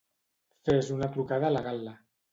Fes una trucada a la Gal·la.